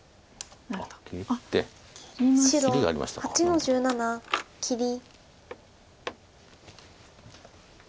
白８の十七切り。